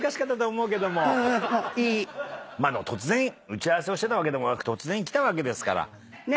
打ち合わせをしてたわけでもなく突然来たわけですから。